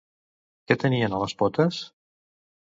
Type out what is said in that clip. Què tenien a les potes?